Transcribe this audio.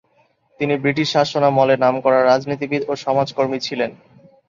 তিনি ব্রিটিশ শাসনামলে নামকরা রাজনীতিবিদ ও সমাজকর্মী ছিলেন।